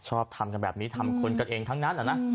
ชอบทำกันแบบนี้ทำคนกันเองทั้งนั้นแหละนะ